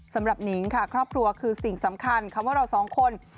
หนิงค่ะครอบครัวคือสิ่งสำคัญคำว่าเราสองคน